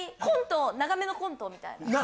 コント長めのコントみたいな。